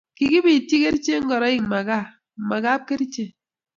kikibitji kerchek ngoroik ma gaa, ma kapkerichen